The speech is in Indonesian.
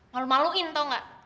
malu maluin tau enggak